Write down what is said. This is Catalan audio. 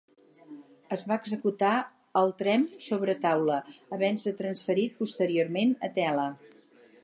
Es va executar al tremp sobre taula, havent-se transferit posteriorment a tela.